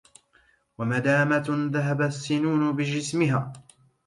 ومدامة ذهب السنون بجسمها